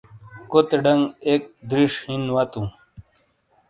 کورے ڈھنگ ایک دریش ہِین واتوں۔